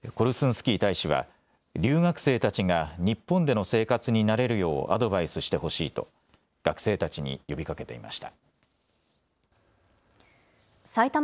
スキー大使は留学生たちが日本での生活に慣れるようアドバイスしてほしいと学生たちに呼びかけていました。